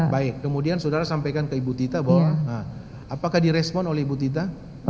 baik kemudian saudara sampaikan ke ibu tita bahwa apakah direspon oleh ibu tita